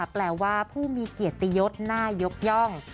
แปลว่าผู้มีเกียรติยศน่ายกย่อง